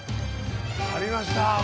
ありました